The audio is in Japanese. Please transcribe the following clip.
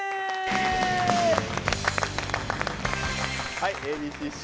はいＡ．Ｂ．Ｃ−Ｚ